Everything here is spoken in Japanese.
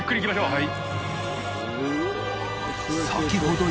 はい。